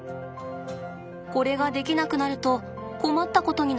これができなくなると困ったことになりますよね。